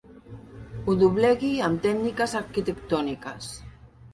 Ho doblegui amb tècniques arquitectòniques.